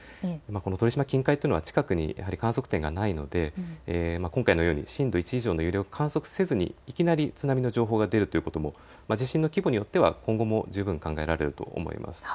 鳥島近海というのは近くに観測点がないので今回のように震度１以上の揺れを観測せずにいきなり津波の情報が出るということも地震の規模によっては今後も十分考えられると思います。